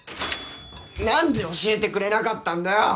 何で教えてくれなかったんだよ。